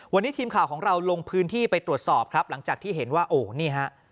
วันนี้ทีมข่าวของเราลงพื้นที่ไปตรวจสอบครับหลังจากที่เห็นว่าโอ้นี่ฮะ